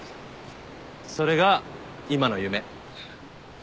それが今の夢。